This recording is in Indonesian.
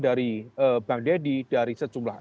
dari bang deddy dari sejumlah